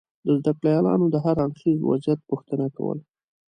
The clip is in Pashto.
د زده کړیالانو دهر اړخیز وضعیت پوښتنه کول